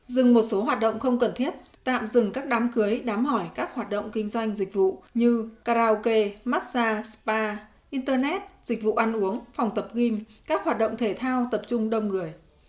dừng một số hoạt động không cần thiết tạm dừng các đám cưới đám hỏi các hoạt động kinh doanh dịch vụ như karaoke massage spa internet dịch vụ ăn uống phòng tập gym các hoạt động thể thao tập trung đông người